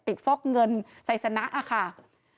ปิดฟอกเงินใส่สนะอาคาร